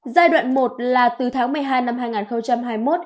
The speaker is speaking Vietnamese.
giai đoạn một là từ tháng một mươi hai năm hai nghìn hai mươi một